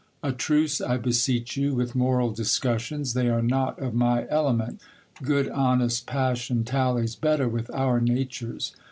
A truce, I beseech you, with moral discussions ; they are not of my element : good honest passion tallies better with our natures.